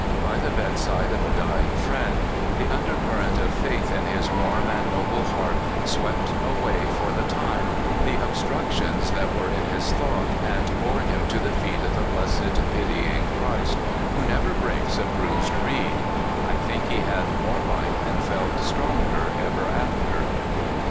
By the bed side of a dying friend, the undercurrent of faith in his warm and noble heart swept away for the time the obstructions that were in his thought, and bore him to the feet of the blessed, pitying Christ, who never breaks a bruised reed. I think he had more light, and felt stronger ever after.